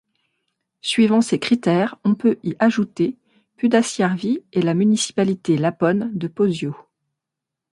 Suivant ces critères, on peut y ajouter Pudasjärvi et la municipalité laponne de Posio.